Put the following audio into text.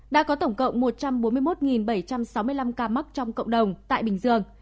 đã có tổng cộng một trăm bốn mươi một bảy trăm sáu mươi năm ca mắc trong cộng đồng tại bình dương